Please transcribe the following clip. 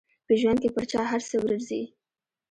په ژوند کې پر چا هر څه ورځي.